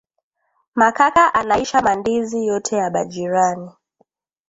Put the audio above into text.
Makaka anaisha mandizi yote ya ba jirani